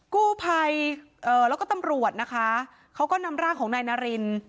กู้ภัยเอ่อแล้วก็ตำรวจนะคะเขาก็นำร่างของนายนาริน